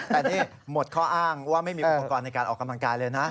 แต่นี่หมดข้ออ้างว่าไม่มีอุปกรณ์ในการออกกำลังกายเลยนะ